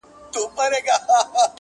نه پاچا نه حکمران سلطان به نسې-